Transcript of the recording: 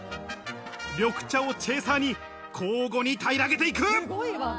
緑茶をチェイサーに交互に平らげていく。